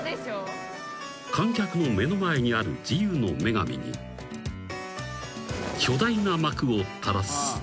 ［観客の目の前にある自由の女神に巨大な幕を垂らすと］